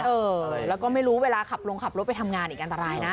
เออแล้วก็ไม่รู้เวลาขับลงขับรถไปทำงานอีกอันตรายนะ